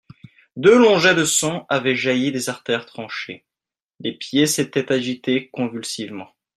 Deux longs jets de sang avaient jailli des artères tranchées, les pieds s'étaient agités convulsivement.